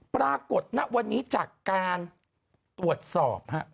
ปรากฏณวันนี้จากการตรวจสอบฮะ